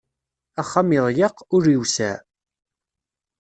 Axxam iḍyeq, ul iwseɛ.